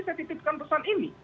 saya titipkan pesan ini